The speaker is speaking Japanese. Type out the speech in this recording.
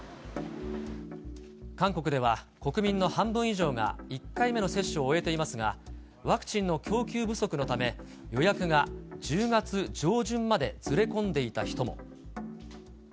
韓国では国民の半分以上が１回目の接種を終えていますが、ワクチンの供給不足のため、予約が１０月上旬までずれ込んでいた人も。